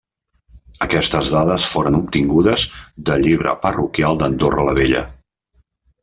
Aquestes dades foren obtingudes del llibre parroquial d'Andorra la Vella.